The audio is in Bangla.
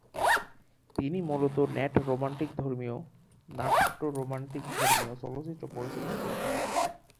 তিনি মূলত নাট্য-রোমান্টিকধর্মী চলচ্চিত্র পরিচালনা করে থাকেন।